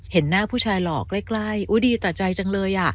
เห็นหน้าผู้ชายหลอกใกล้ใกล้อุ๊ยดีต่อใจจังเลยอะ